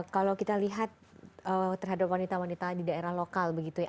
kalau kita lihat terhadap wanita wanita di daerah lokal begitu ya